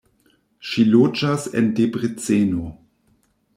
Ŝi loĝas en Debreceno.